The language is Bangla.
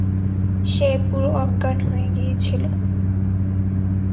সে পুরো অজ্ঞান হয়ে গিয়েছিল।